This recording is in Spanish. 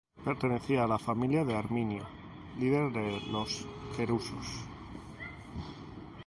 Pertenecía a la familia de Arminio, líder de los queruscos.